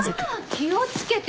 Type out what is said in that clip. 気をつけて。